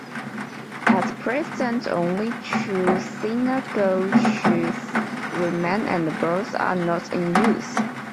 At present only two synagogues remain and both are not in use.